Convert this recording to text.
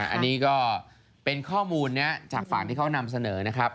อันนี้ก็เป็นข้อมูลนี้จากฝั่งที่เขานำเสนอนะครับ